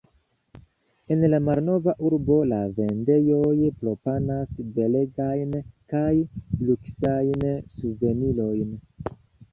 En la malnova urbo la vendejoj proponas belegajn kaj luksajn suvenirojn.